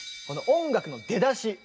この音楽の出だし。